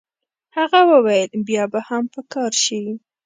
هغه وویل بیا به هم په کار شي.